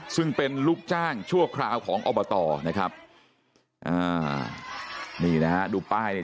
ซึ่งเป็นลูกจ้างชั่วคราวของอบตนะครับอ่านี่นะฮะดูป้ายเนี่ย